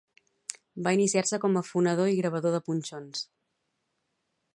Va iniciar-se com a fonedor i gravador de punxons.